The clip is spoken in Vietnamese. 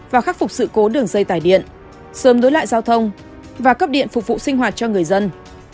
và khắc phục sự cố đường dây tải điện sớm nối lại giao thông và cấp điện phục vụ sinh hoạt cho người dân